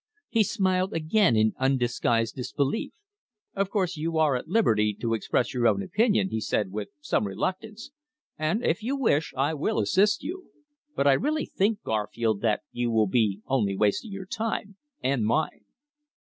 He smiled again in undisguised disbelief. "Of course you are at liberty to express your own opinion," he said with some reluctance. "And if you wish, I will assist you. But I really think, Garfield, that you will be only wasting your time and mine."